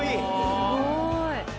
すごい。